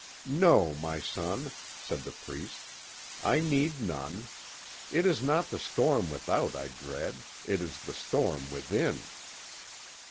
"No, my son," said the priest; "I need none. It is not the storm without I dread it is the storm within."